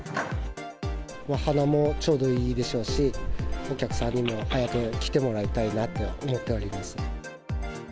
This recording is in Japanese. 花もちょうどいいでしょうし、お客さんにも早く来てもらいたいなと思っております。